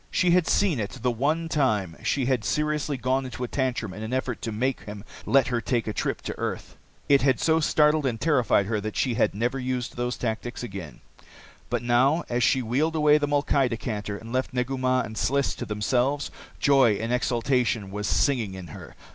She had seen it the one time she had seriously gone into a tantrum in an effort to make him let her take a trip to earth. It had so startled and terrified her that she had never used those tactics again. But now, as she wheeled away the molkai decanter and left Negu Mah and Sliss to themselves, joy and exultation was singing in her.